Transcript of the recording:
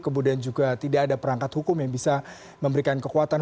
kemudian juga tidak ada perangkat hukum yang bisa memberikan kekuatan